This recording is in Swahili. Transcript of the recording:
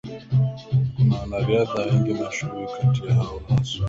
kuna wanariadha wengi mashuhuri kati yao haswa